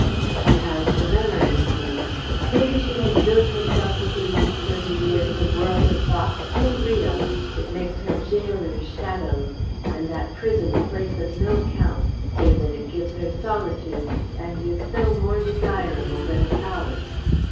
She has her memories maybe. Maybe she has built herself within these thirty years a world of thought so real, it makes her gaolers shadows, and that prison a place of no account, save that it gives her solitude and is so more desirable than a palace.